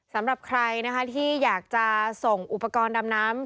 สำหรับใครนะคะที่อยากจะส่งอุปกรณ์ดำน้ำ